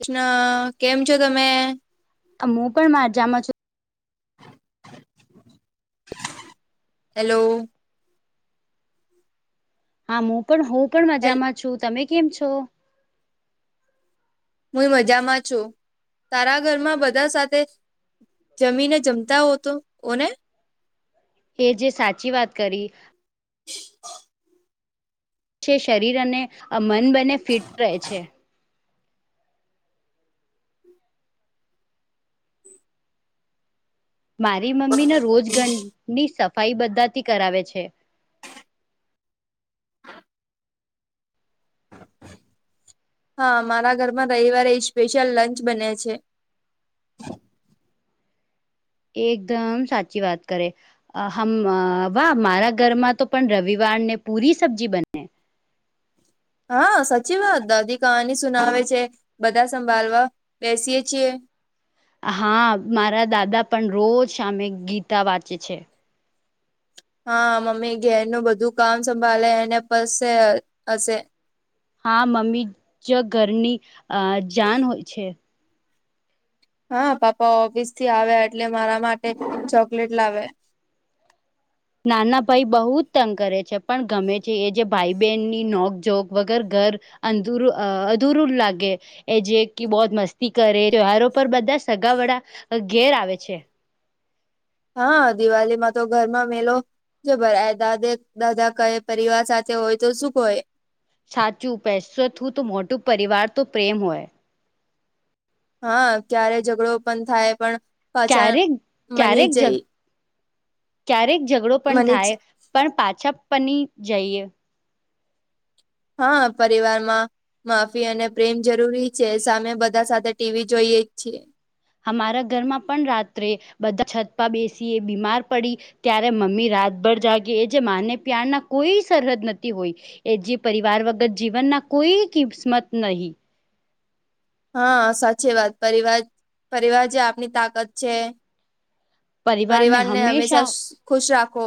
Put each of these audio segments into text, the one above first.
કૃષ્ણ કેમ છો તમે આ મોકલમા આજામાં છું. હેલો. હા મોકલ હું પણ હેલ મજામાં છું તમે કેમ છો? હુંય મજામાં છું તારા ઘરમાં બધા સાથે જમીને જમતા હો તો ઓને એ જે સાચી વાત કરી. છે શરીર અને મન બને ફિટ રહે છે. મારી મમ્મી ના રોજ ઘરની સફાઈ બધાથી કરાવે છે. હા મારા ઘરમાં રવિવારે એ સ્પેશિયલ લંચ બને છે. એકદમ સાચી વાત કરે. આ હમ વાહ મારા ઘરમાં તો પણ રવિવારને પૂરી સબ્જી બને હા સાચી વાત દાદી કહાની સુનાવે છે બધા સંભાળવા બેસીએ છીએ. હા મારા દાદા પણ રોજ સામે ગીતા વાંચે છે. હા મમ્મી ઘેરનું બધું કામ સંભાળએ ને પશે હશે. હા મમ્મી જ ઘરની અ જાન હોય છે. હા પાપા ઓફિસ થી આવ્યા એટલે મારા માટે ચોકલેટ લાવે. નાના ભાઈ બહુ જ તંગ કરે છે પણ ગમે છે એ જે ભાઈ બહેનની નોક જોક વગર ઘર અંદુરુ અ અધુરુ લાગે. એ જે કે બહું મસ્તી કરે તહેવારો પર બધા સગા વડા ઘેર આવે છે. હા દિવાળીમાં તો ઘરમાં મેલો જ ભરાય દાદ દાદા કહે પરિવાર સાથે હોય તો શું કોય સાચું પેશતું તો મોટું પરિવાર તો પ્રેમ હોય. હા ક્યારે ઝઘડો પણ થાય પણ પાછા ક્યારેક મની ક્યારેક ઝગ જઈ ક્યારેક ઝઘડો પણ મની જ. થાય પણ પાછા પની જઈએ. હા પરિવારમાં માફી અને પ્રેમ જરૂરી છે સામે બધા સાથે ટીવી જોઈએ જ છીએ. અમારા ઘરમાં પણ રાત્રે બધા છતપા બેસી એ બીમાર પડી ત્યારે મમ્મી રાતભર જાગી એ જે માને પ્યાર ના કોઈ સરહદ નથી હોય એ જે પરિવાર વગર જીવનના કોઈ કિસ્મત નહી. હા સાચી વાત પરિવાર પરિવાર જે આપની તાકાત છે. પરિવારને પરિવાર ને હમેશા હંમેશા ખુશ રાખો.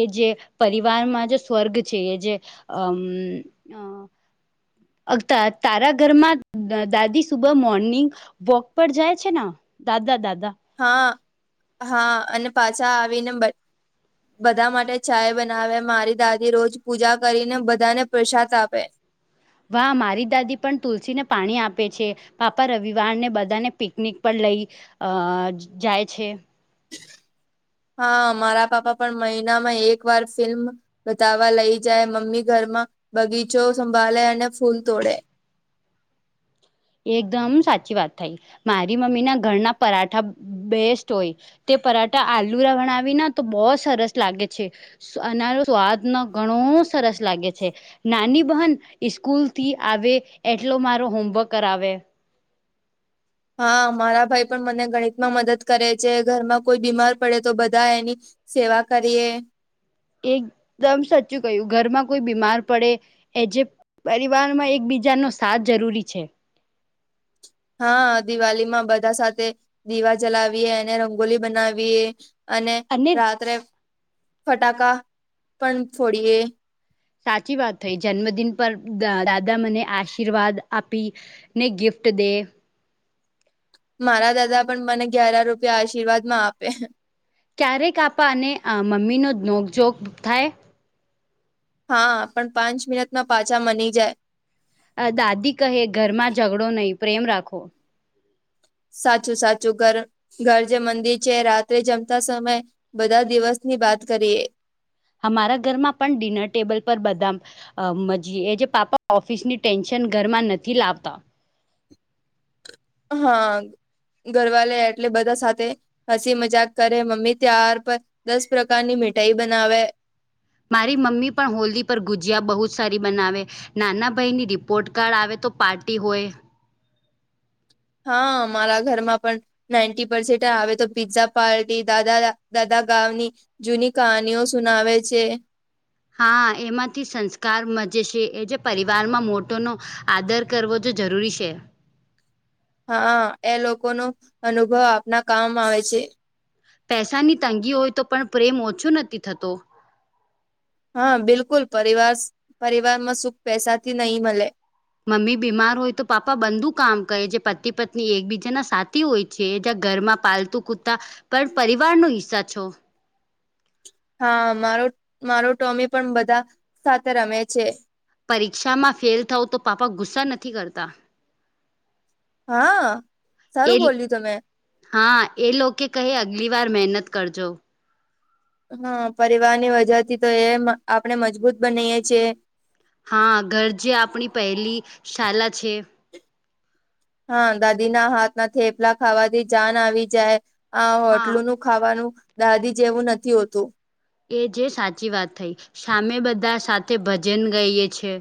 એ જે પરિવારમાં જે સ્વર્ગ છે એ જે અમ અ અ તા તારા ઘરમાં દાદી સુબહ મોર્નિંગ વોક પર જાય છે ને દાદા દાદા? હા હા અને પાછા આવીને બ- - બધા માટે ચાય બનાવે મારી દાદી રોજ પૂજા કરીને બધાને પ્રસાદ આપે. વાહ મારી દાદી પણ તુલસીને પાણી આપે છે. પાપા રવિવાર ને બધાને પિકનિક પર લઈ અ જાય છે. હા મારા પાપા પણ મહિનામાં એક વાર ફિલ્મ- - બતાવવા લઈ જાય મમ્મી ઘરમાં બગીચો સંભાળે અને ફૂલ તોડે. એકદમ સાચી વાત થાય મારી મમ્મી ના ઘરના પરાઠા બેસ્ટ હોય. તે પરાઠા આલુરા બનાવીને તો બહ સરસ લાગે છે. અરો સ્વાદ ન ઘણો સરસ- - લાગે છે નાની બહેન સ્કુલ થી આવે એટલો મારો હોમવર્ક કરાવે. હા મારા ભાઈ પણ મને ગણિતમાં મદદ કરે છે ઘરમાં કોઈ બીમાર પડે તો બધા એની- - સેવા કરીએ. એકદમ સાચું કહ્યું ઘરમાં કોઈ બીમાર પડે એ જે- - પરિવારમાં એકબીજાનો સાથ જરૂરી છે. હા દિવાળી માં બધા સાથે દીવા જલાવીએ અનેને રંગોલી બનાવીએ અને રાત્રે ફટાકા પણ ફોડીએ સાચી વાત હોય જન્મદિન પર દાદા મને આશીર્વાદ આપી નહી ગિફ્ટ દે મારા દાદા પણ મને ગ્યાર રૂપિયા આશીર્વાદ માં આપે ક્યારેક આપપા અને મમ્મીનો નોકજોક થાય હા પણ પાંચ મિનટમાં પાછા મની જાય દાદી કહે ઘરમાં ઝઘડો નહીિ પ્રેમ રાખો સાચું સાચું ઘર ઘર જે મંદિર છે રાત્રે જમતા સમય બધા દિવસની વાત કરીએ અમારા ઘરમાં પણ ડિનર ટેબલ પર બદામ અ મજી એ જે પાપા ઓફિસ ની ટેન્શન ઘરમાં નથી લાવતા હા ઘરવાલે એટલે બધા સાથે હસી મજાક કરે મમ્મી ત્યાાર પર દસ પ્રકારની મીઠાઈ બનાવે મારી મમ્મી પણ હોલી પર ગુજિયા બહુ જ સારી બનાવે નાના ભાઈની રિપોર્ટ કાર્ડ આવે તો પાર્ટી હોય હા મારા ઘરમાં પણ નાઇન્ટી પરસેન્ટ આવે તો પીઝા પાર્ટી દાદા દાદા ગાાવની જૂની કહાનીઓ સુનાવે છે હા એમાંથી સંસ્કારમાં જે છે એ જે પરિવારમાં મોટોનો આદર કરવો જો જરૂરી છે હા એ લોકો ન અનુભવ આપના કામ આવે છે પૈસાની તંગી હોય તો પણ પ્રેમ ઓછો નથી થતો હા બિલકુલ પરિવાર પરિવારમાં સુખ પૈસાથી નહી મળે મમ્મી બીમાર હોય તો પાપા બંદુ કામ કરહે જે પતિ પત્ની એકબીજાના સાથી હોય જે જ ઘરમાં પાલતુ કૂતા પણ પરિવાર નો હિસ્સા છો હા મારો મારો ટોમી પણ બધા સાથે રમે છે પરીક્ષામાં ફેલ થઉ તો પાપા ગુસ્સા નથી કરતા હા એ સારું બોલ્યું તમે હા એ લોકો કહે અગલી વાર મહેનત કરજો હા પરિવારની વજહ થી તો એ આપણે મજબૂત બનાએ છેીએ હા ઘર જે આપણી પહેલી શાલા છે હા દાદી ના હાથ ના થેપલા ખાવાથી જાન આવી જાય આ હા હોટલ નું ખાવાનું દાદી જેવું નથી હોતું એ જે સાચી વાત થઈ સામે બધા સાથે ભજન ગઈએ છે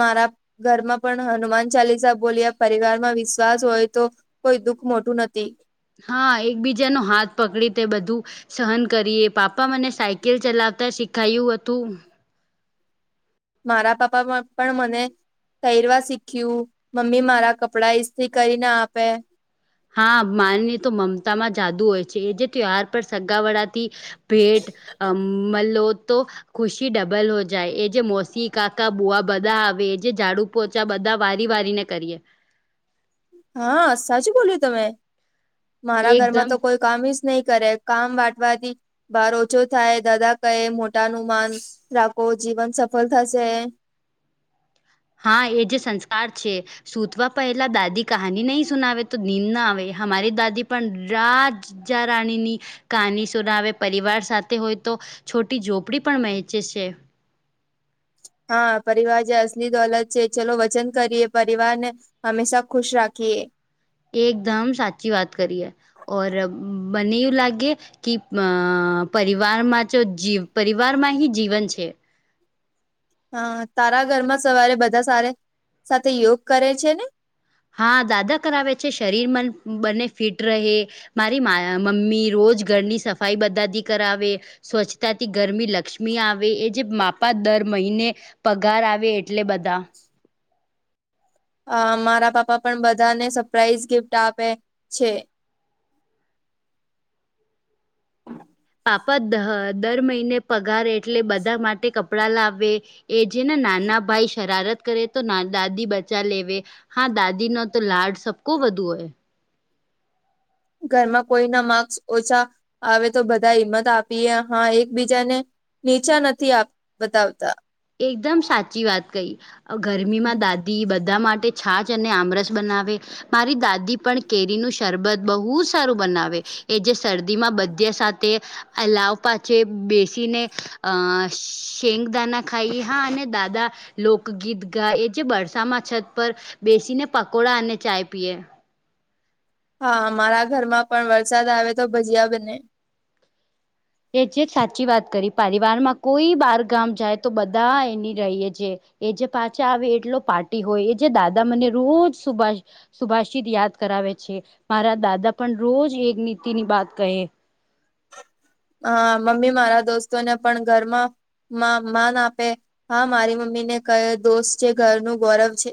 મારા ઘરમાં પણ હનુમાન ચાલીસા બોલ્યા પરિવારમાં વિશ્વાસ હોય તો કોઈ દુઃખ મોટું નથી હા એકબીજા ન હાથ પકડી તે બધું સહન કરીએ પાપા મને સાયકલ ચલાવતા શીખાયું હતું મારા પાપામાં પણ મને પહેરવા શીખ્યું મમ્મી મારા કપડા ઈસ્ત્રી કરીને આપે હા માની તો મમતામાં જાદુ હોય છે એ જે ત્યહાર પર સગાવડાથી ભેટ અ મલ તો ખુશી ડબલ હો જાય એ જે મોસી કાકા બુઆ બધા આવે એ જે ઝાડુ પોચા બધા વારી વારીને કરીએ હા સાચ બોલ તમે મારા ઘરમાં એકદમ તો કોઈ કામી જ નહી કરે કામ વાટવાથી બાર ઓછો થાય દાદા કહે મોટાનુમાન રાખો જીવન સફળ થશે હા એ જે સંસ્કાર છે સુતવા પહેલા દાદી કહાની નહી સુનાવે તો નિંદન આવે અમારી દાદી પણ રાજ જા રાણીની કહાની સુનાવે પરિવાર સાથે હોય તો છોટી ઝોપડી પણ વહેંચે છે. હા પરિવાર જે અસલી દોલત છે ચલો વચન કરીએ પરિવાર ને હમેશા ખુશ રાખીએ એકદમ સાચી વાત કરીએ ઓર બને એ લાગે કે અ પરિવારમાં તો જી પરિવાર માં હી જીવન છે હા તારા ઘરમાં સવારે બધા સારે સાથે યોગ કરે છે ને હા દાદા કરાવે છે શરીર મન બને ફિટ રહે મારી મા મમ્મી રોજ ઘરની સફાઈ બધાથી કરાવે સ્વચ્છતાથી ગરમી લક્ષ્મી આવે એ જે માપા દર મહિને પગાર આવે એટલે બધા [inaudible] અ મારા પાપા પણ બધાને સરપ્રાાઈઝ ગિફ્ટ આપે છે. પાપ દહ દર મહિને પગારે એટલે બધા માટે કપડાં લાવે એ જે ને નાના ભાઈ શરારત કરે તો ના દાદી બચા લેવે હા દાદી નો તો લાડ સબકો વધુ હોય ઘરમાં કોઈના માર્ક્સ ઓછા આવે તો બધા હિંમત આપીએ હા એકબીજાને નીચા નથી આપ બતાવતા એકદમ સાચી વાત કઈ ગરમીમાં દા ધી બધા માટે છાજ અને આમરસ બનાવે મારી દાદી પણ કેરીનું શરબત બહુ સારું બનાવે એ જે શરદીમાં બધ્ય સાથે અલવ પાછ બેસીને અ શેંગદાના ખાઈ હા અને દાદા લોકગીત ગા એ જે બરસામાં છત પર બેસીને પકોડા અને ચાય પીએ હા મારા ઘરમાં પણ વરસાદ આવે તો ભજીયા બને એ જે સાચી વાત કરી પરિવારમાં કોઈ બાર ગામ જાય તો બધા એની રહીએ છે. એ જે પાછા આવે એટલો પાર્ટી હોય એ જે દાદા મને રોજ સુભાષ સુભાષિત યાદ કરાવે છે મારા દાદા પણ રોજ એક નીતિ ની બાત કહે હા મમ્મી મારા દોસ્તોને પણ ઘરમાં મા માન આપે હા મારી મમ્મી ને કયો દોસ્ત છે ઘરનું ગૌરવ છે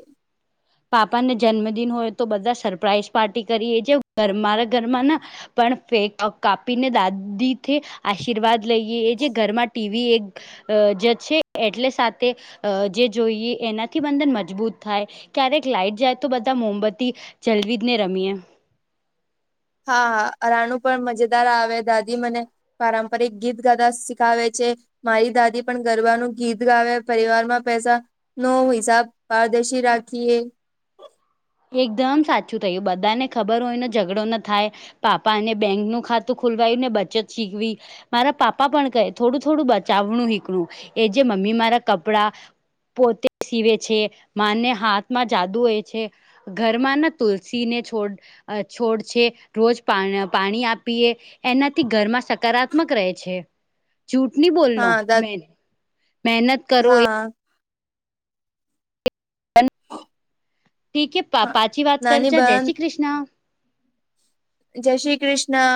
પાપાને જન્મદિન હોય તો બધા સરપ્રાાઈઝ પાર્ટી કરીએે છે ઘર મારા ઘરમાં ન પણ પે કાપીને દાદી થી આશીર્વાદ લઈએ એ જે ઘરમાં ટીવી એક અ જ છે એટલે સાથે જે જોઈએ એનાથી બંધન મજબૂત થાય ક્યારેક લાાઈટ જાય તો બધા મોમબત્તી જલવી જ ને રમીએ હા હા રાણું પણ મજેદાર આવે દાદી મને પારંપરિક ગીત ગાદા શીખાવે છે. મારી દાદી પણ ગરબાનું ગીત ગાવે પરિવાર માં પૈસા નો હિસાબ પારદર્શી રાખીએ. એકદમ સાચું થયું બધાને ખબર હોયને ઝઘડો ન થાય. પાપાને બેંક નું ખાતું ખોલવાયુંને બચત શીખવી. મારા પાપા પણ કહે થોડું થોડું બચાવનું શીકણું એ જે મમ્મી મારા કપડા પોતે સીવે છે માને હાથમાં જાદુ હોય છે. ઘરમાં ના તુલસીને છોડ છોડ છે રોજ પા પાણી આપીએ. એનાથી ઘરમાં સકારાત્મક રહે છે. જુઠ નની બોલલો હા મે મહેનત કરો એ હા. ઠીકે પા પાછી વાત કરજ નાની જય બહેન શ્રી કૃષ્ણ. જય શ્રી કૃષ્ણ.